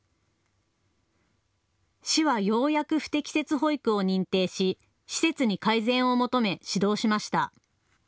市はようやく不適切保育を認定し施設に改善を求め指導しました。